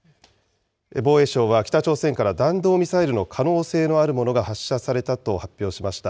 防衛省は、北朝鮮から弾道ミサイルの可能性のあるものが発射されたと発表しました。